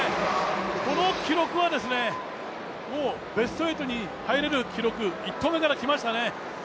この記録はもうベスト８に入れる記録、１投目からきましたね。